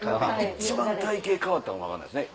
一番体形変わったかも分かんないですね